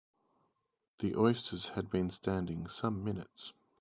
The oysters had been standing some minutes.